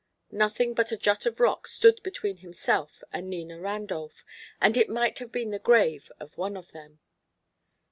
Nothing but a jut of rock stood between himself and Nina Randolph, and it might have been the grave of one of them.